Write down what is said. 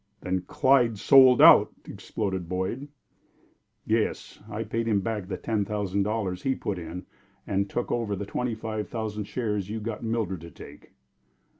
"Then Clyde sold out!" exploded Boyd. "Yes. I paid him back the ten thousand dollars he put in, and I took over the twenty five thousand shares you got Mildred to take."